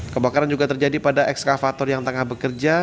kebakaran juga terjadi pada ekskavator yang tengah bekerja